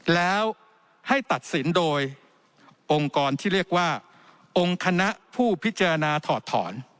แล้วให้ตัดสินโดยองค์กรที่เรียกว่าองค์คณะผู้พิจารณาถอดถอน